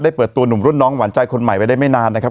เปิดตัวหนุ่มรุ่นน้องหวานใจคนใหม่ไปได้ไม่นานนะครับ